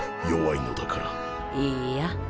いいや。